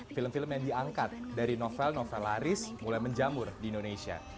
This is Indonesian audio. film film yang diangkat dari novel novelaris mulai menjamur di indonesia